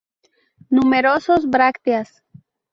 Numerosos brácteas.